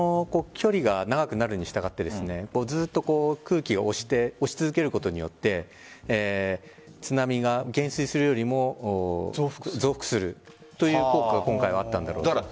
距離が長くなるにしたがってずっと空気を押し続けることによって津波が減衰するよりも増幅するという効果があったんだろうと。